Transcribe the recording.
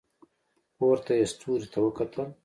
پورته یې ستوري ته وکتل.